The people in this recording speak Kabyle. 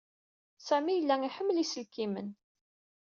Sami yella iḥemmel iselkimen.